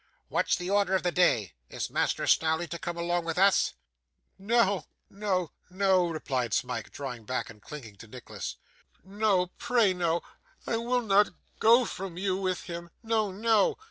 What's the order of the day? Is Master Snawley to come along with us?' 'No, no, no,' replied Smike, drawing back, and clinging to Nicholas. 'No. Pray, no. I will not go from you with him. No, no.